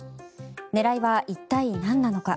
狙いは一体、なんなのか。